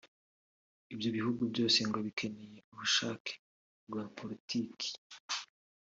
Ibyo bihugu byose ngo bikeneye ubushake bwa politiki